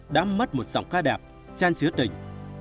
đã mất một giọng ca đẹp chan chữ tình